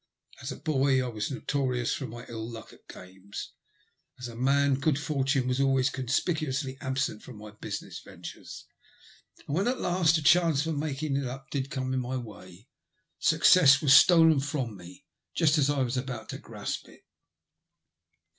As a boy I was notorious for my ill luck at games ; as a man good fortune was always conspicuously absent from my business ventures ; and when at last a chance for making up for it did come in my way, success was stolen from me just as I was about to grasp it.